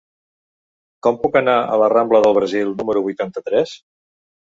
Com puc anar a la rambla del Brasil número vuitanta-tres?